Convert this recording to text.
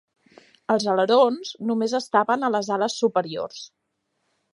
Els alerons només estaven a les ales superiors.